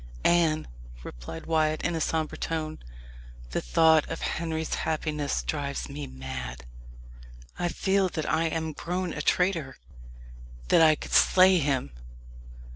"Anne," replied Wyat in a sombre tone, "the thought of Henry's happiness drives me mad. I feel that I am grown a traitor that I could slay him."